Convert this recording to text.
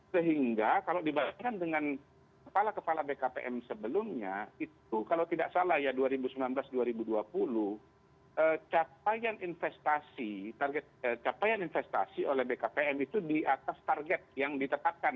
sehingga kalau dibandingkan dengan kepala kepala bkpm sebelumnya itu kalau tidak salah ya dua ribu sembilan belas dua ribu dua puluh capaian investasi target capaian investasi oleh bkpm itu di atas target yang ditetapkan